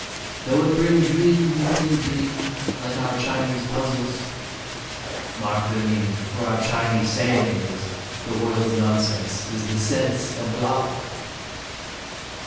"Though it bring dream within dream, like our Chinese puzzles mark their meaning, for our Chinese saying is, ' The world's nonsense is the sense of God!"'